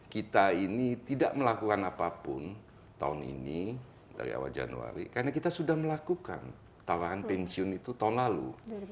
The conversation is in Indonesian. kita ini tidak melakukan apapun tahun ini dari awal januari karena kita sudah melakukan tawaran pensiun itu tahun lalu